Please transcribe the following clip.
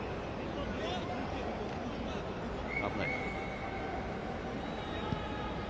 危ない。